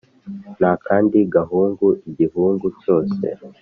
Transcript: n’akandi gahugu, igihugu cyose